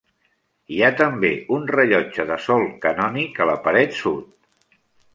Hi ha també un rellotge de sol canònic a la paret sud.